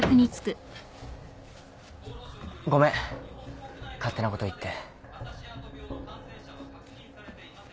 ごめん勝手なこと言って。